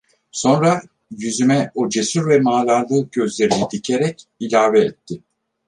Sonra, yüzüme o cesur ve manalı gözlerini dikerek ilave etti.